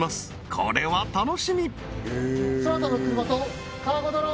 これは楽しみ！